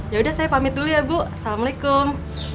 yaudah saya pamit dulu ya bu assalamualaikum